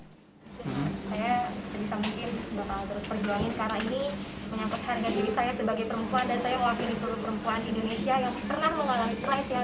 saya sebisa mungkin bakal terus perjuangin karena ini menyangkut harga diri saya sebagai perempuan dan saya mewakili seluruh perempuan indonesia yang pernah mengalami pelecehan